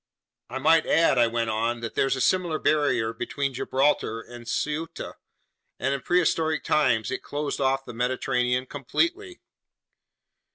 "I might add," I went on, "that there's a similar barrier between Gibraltar and Ceuta, and in prehistoric times it closed off the Mediterranean completely."